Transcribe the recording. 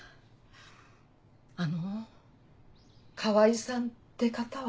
あの川合さんって方は？